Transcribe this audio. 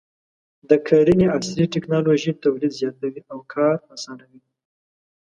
د کرنې عصري ټکنالوژي تولید زیاتوي او کار اسانوي.